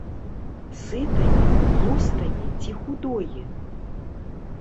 Сытае, тлустае ці худое?